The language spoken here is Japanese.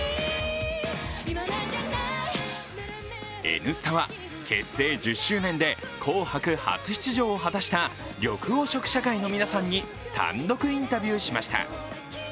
「Ｎスタ」結成１０周年で「紅白」初出場を果たした緑黄色社会の皆さんに単独インタビューしました。